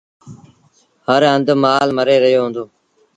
هر هنڌ مآل مري رهيو هُݩدو۔